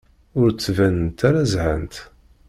Ur d-ttbanent ara zhant.